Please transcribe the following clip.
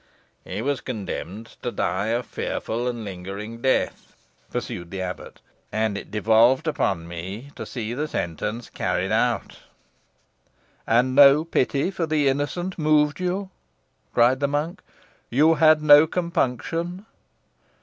"He was condemned to die a fearful and lingering death," pursued the abbot; "and it devolved upon me to see the sentence carried out." "And no pity for the innocent moved you?" cried the monk. "You had no compunction?"